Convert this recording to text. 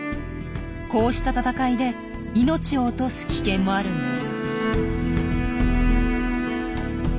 こうした戦いで命を落とす危険もあるんです。